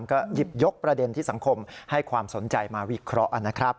ก็หยิบยกประเด็นที่สังคมให้ความสนใจมาวิเคราะห์นะครับ